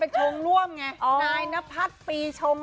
เอ็งมาจากหนิง